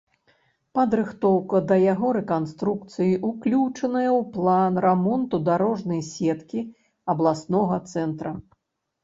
Падрыхтоўка да яго рэканструкцыі ўключаная ў план рамонту дарожнай сеткі абласнога цэнтра.